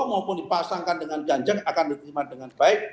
maupun dipasangkan dengan ganjar akan diterima dengan baik